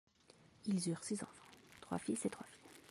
Ils eurent six enfants, trois fils et trois filles.